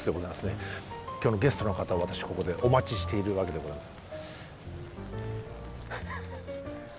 今日のゲストの方私ここでお待ちしているわけでございます。